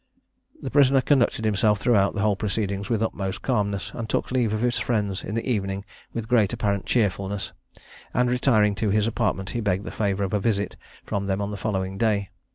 The prisoner conducted himself throughout the whole proceedings with the utmost calmness, and took leave of his friends in the evening with great apparent cheerfulness; and, retiring to his apartment, he begged the favour of a visit from them on the following day.